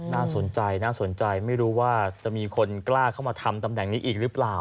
น่าสนใจน่าสนใจไม่รู้ว่าจะมีคนกล้าเข้ามาทำตำแหน่งนี้อีกหรือเปล่า